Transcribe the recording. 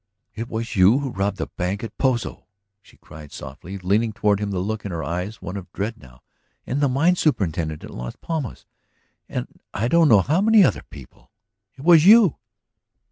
"It was you who robbed the bank at Pozo!" she cried softly, leaning toward him, the look in her eyes one of dread now. "And the mine superintendent at Las Palmas? And I don't know how many other people. It was you!"